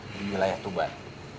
di wilayah tuban